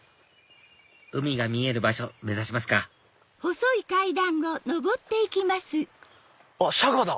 海が見える場所目指しますかあっシャガだ。